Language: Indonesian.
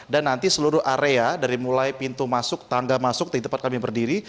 dan nanti seluruh area dari mulai pintu masuk tangga masuk tempat kami berdiri